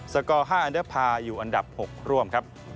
สกอร์๕อันเดอร์พาอยู่อันดับ๖ร่วม